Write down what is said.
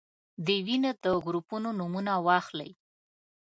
د وینې د ګروپونو نومونه واخلئ.